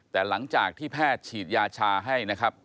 แต่หลังจากที่แพทย์ฉีดยาชาให้นะครับ